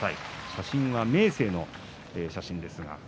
写真は明生の写真ですか